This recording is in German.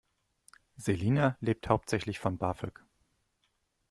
Selina lebt hauptsächlich von BAföG.